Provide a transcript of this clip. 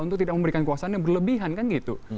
untuk tidak memberikan kekuasaan yang berlebihan kan gitu